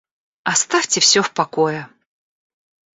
Оставьте всё в покое!